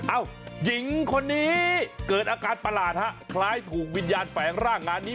หญิงคนนี้เกิดอาการประหลาดฮะคล้ายถูกวิญญาณแฝงร่างงานนี้